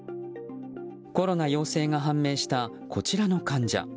コロナ陽性が判明したこちらの患者。